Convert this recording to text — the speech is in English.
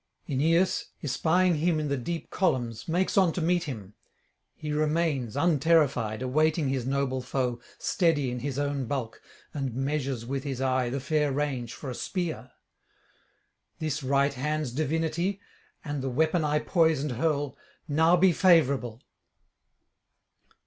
Aeneas, espying him in the deep columns, makes on to meet him. He remains, unterrified, awaiting his noble foe, steady in his own bulk, and measures with his eye the fair range for a spear. 'This right hand's divinity, and the weapon I poise and hurl, now be favourable!